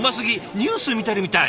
ニュース見てるみたい。